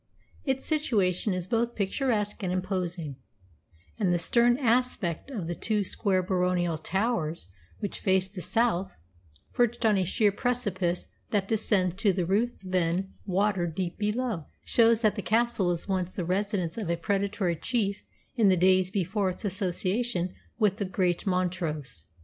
Its situation is both picturesque and imposing, and the stern aspect of the two square baronial towers which face the south, perched on a sheer precipice that descends to the Ruthven Water deep below, shows that the castle was once the residence of a predatory chief in the days before its association with the great Montrose.